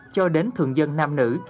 cho đến thượng dân nam nữ